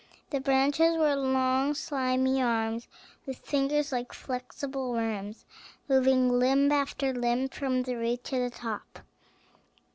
The branches were long slimy arms, with fingers like flexible worms, moving limb after limb from the root to the top.